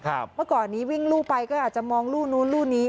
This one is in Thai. เมื่อก่อนนี้วิ่งลู่ไปก็อาจจะมองลู่นู้นลู่นี้